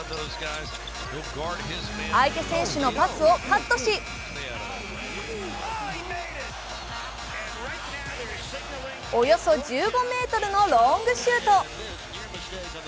相手選手のパスをカットしおよそ１５ｍのロングシュート。